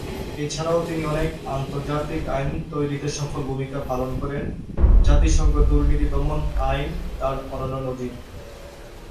এছাড়াও তিনি অনেক আন্তর্জাতিক আইন তৈরীতে সফল ভূমিকা পালন করেন; জাতিসংঘ দূর্নীতি দমন আইন তার অনন্য নজির।